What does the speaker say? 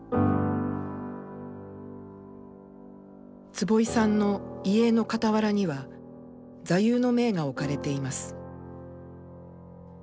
坪井さんの遺影の傍らには座右の銘が置かれています。